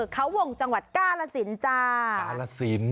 กล้าละสิน